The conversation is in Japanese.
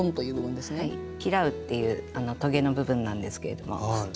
「キラウ」っていうとげの部分なんですけれども。